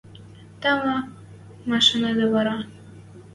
Тӓ ма машанедӓ вара?